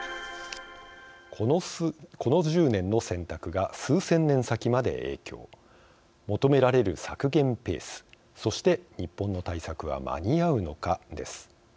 この１０年の選択が数千年先まで影響求められる削減ペースそして日本の対策は間に合うのかです。